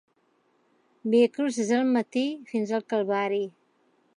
Viacrucis al matí, fins al Calvari.